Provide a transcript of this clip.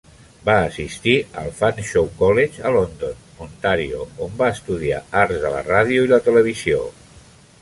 Va assistir al Fanshawe College a London, Ontario, on va estudiar Arts de la Ràdio i la Televisió.